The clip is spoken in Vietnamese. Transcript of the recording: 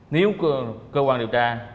nếu cơ quan điều tra